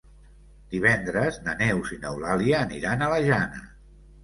Divendres na Neus i n'Eulàlia aniran a la Jana.